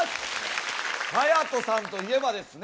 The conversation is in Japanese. はやとさんといえばですね